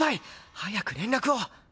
早く連絡を！